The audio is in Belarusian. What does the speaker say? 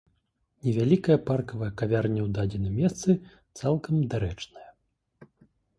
Невялікая паркавая кавярня ў дадзеным месцы цалкам дарэчная.